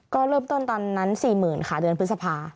ก็เริ่มต้นตอนนั้น๔๐๐๐ค่ะเดือนพฤษภา